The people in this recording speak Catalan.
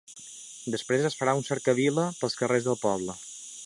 Després es farà una cercavila pels carrers del poble.